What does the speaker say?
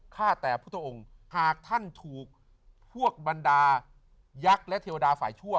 ฆ่าแต่พุทธองค์หากท่านถูกพวกบรรดายักษ์และเทวดาฝ่ายชั่ว